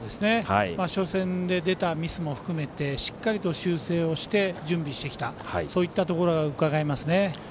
初戦で出たミスも含めてしっかりと修正をして準備をしてきたそういったところがうかがえます。